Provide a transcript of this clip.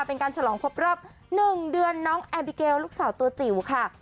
เป็นการฉลองครบรอบ๑เดือนน้องแอบิเกลลูกสาวตัวจิ๋วค่ะ